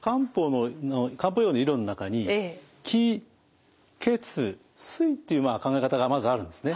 漢方医療の理論の中に「気血水」っていう考え方がまずあるんですね。